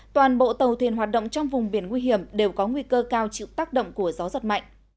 toàn bộ tàu thuyền hoạt động trong vùng biển nguy hiểm đều có nguy cơ cao chịu tác động của gió giật mạnh